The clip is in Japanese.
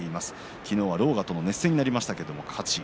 昨日は狼雅との熱戦になりましたが勝ち。